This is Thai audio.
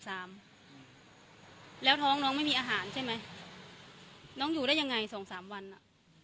สามแล้วท้องน้องไม่มีอาหารใช่ไหมน้องอยู่ได้ยังไงสองสามวันอ่ะ